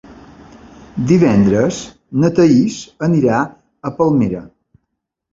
Divendres na Thaís anirà a Palmera.